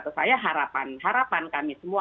atau saya harapan kami semua